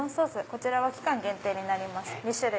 こちらは期間限定になります。